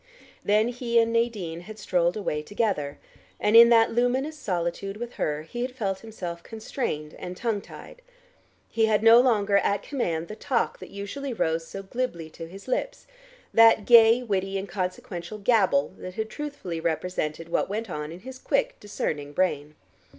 Then he and Nadine had strolled away together, and in that luminous solitude with her, he had felt himself constrained and tongue tied. He had no longer at command the talk that usually rose so glibly to his lips, that gay, witty, inconsequent gabble that had truthfully represented what went on in his quick discerning brain.